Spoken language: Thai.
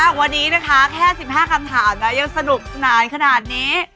อ่าววันนี้นะคะแค่สิบห้าคำถามนะยังสนุกสนานขนาดนี้